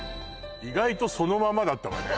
意外とそのままだったわね